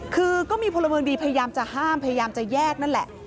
คือก็มีพลเมืองดีพยายามจะห้ามพยายามจะแยกนั่นแหละ